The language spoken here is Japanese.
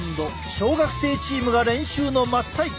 小学生チームが練習の真っ最中。